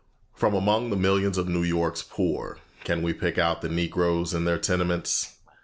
From among the millions of New York's poor, can we pick out the Negroes in their tenements?